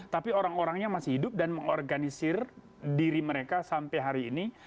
tapi orang orangnya masih hidup dan mengorganisir diri mereka sampai hari ini